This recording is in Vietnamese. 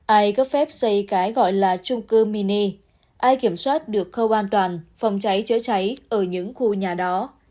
ai cấp phép xây cái gọi là trung cư mini ai kiểm soát được khâu an toàn phòng cháy chữa cháy ở những khu nhà đó